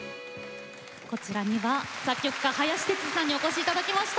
こちらには作曲家、林哲司さんにお越しいただきました。